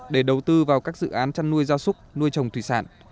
để đầu tư vào các dự án chăn nuôi gia súc nuôi trồng thủy sản